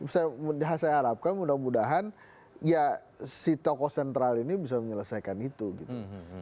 saya harapkan mudah mudahan ya si tokoh sentral ini bisa menyelesaikan itu gitu